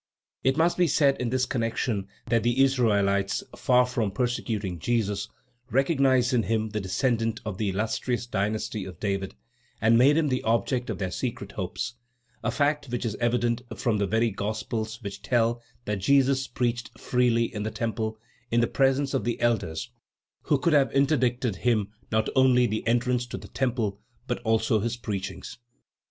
It must be said in this connection that the Israelites, far from persecuting Jesus, recognized in him the descendant of the illustrious dynasty of David, and made him the object of their secret hopes, a fact which is evident from the very Gospels which tell that Jesus preached freely in the temple, in the presence of the elders, who could have interdicted him not only the entrance to the temple, but also his preachings.